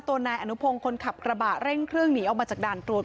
นายอนุพงศ์คนขับกระบะเร่งเครื่องหนีออกมาจากด่านตรวจ